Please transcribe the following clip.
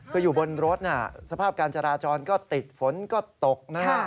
คืออยู่บนรถสภาพการจราจรก็ติดฝนก็ตกนะฮะ